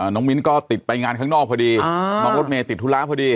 มิ้นก็ติดไปงานข้างนอกพอดีน้องรถเมย์ติดธุระพอดี